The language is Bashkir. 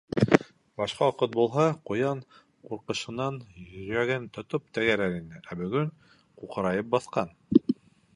Башҡа ваҡыт булһа, ҡуян ҡурҡышынан йөрәген тотоп тәгәрәр ине, ә бөгөн ҡуҡырайып баҫҡан.